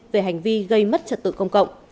về hành vi gây mất trật tự công cộng